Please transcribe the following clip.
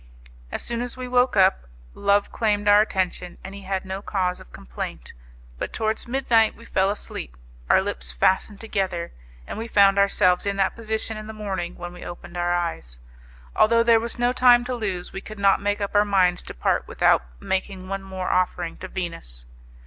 As soon as we woke up, Love claimed our attention and he had no cause of complaint, but towards midnight we fell asleep, our lips fastened together, and we found ourselves in that position in the morning when we opened our eyes. Although there was no time to lose, we could not make up our minds to part without making one more offering to Venus.